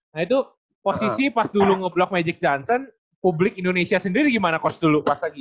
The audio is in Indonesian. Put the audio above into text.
nah itu posisi pas dulu ngeblok magic johnson publik indonesia sendiri gimana coach dulu pas lagi